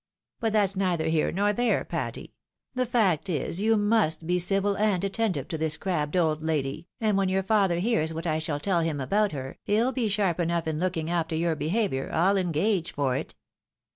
But that's neither here nor there, Patty ; the fact is, you must be civil and attentive to this crabbed old lady, and when your father hears what I shall tell him about her, he'll be sharp enough in looking after your behaviour, PU engage for it."